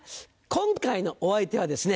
今回のお相手はですね